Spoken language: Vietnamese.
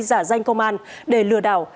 giả danh công an để lừa đảo